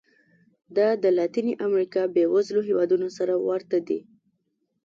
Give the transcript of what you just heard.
دا د لاتینې امریکا بېوزلو هېوادونو سره ورته دي.